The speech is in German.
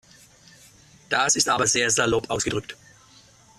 Das ist aber sehr salopp ausgedrückt.